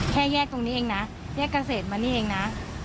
แค่แยกตรงนี้เองนะแยกเกษตรมานี่เองนะ